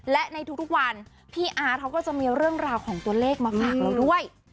และในทุกวันพี่อาร์ตเขาก็จะมีเรื่องราวของตัวเลขมาฝากเราด้วย